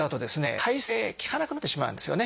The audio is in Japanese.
耐性効かなくなってしまうんですよね。